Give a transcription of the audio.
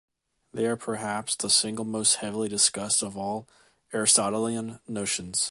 They are "perhaps the single most heavily discussed of all Aristotelian notions".